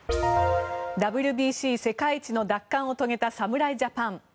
ＷＢＣ世界一の奪還を遂げた侍ジャパン。